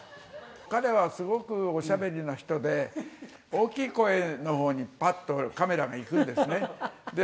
彼はすごくおしゃべりな人で、大きい声のほうにぱっとカメラが行くんですね。